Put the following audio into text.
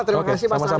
terima kasih pak sarip